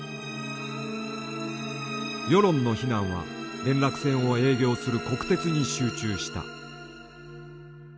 世論の非難は連絡船を営業する国鉄に集中した。